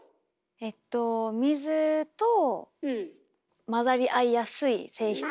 えっと水と混ざり合いやすい性質？